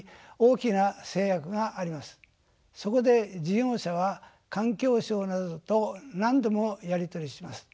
そこで事業者は環境省などと何度もやり取りします。